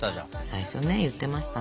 最初ね言ってましたね。